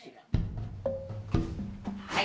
はい。